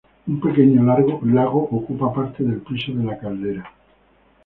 Un pequeño lago ocupa parte del piso de la caldera.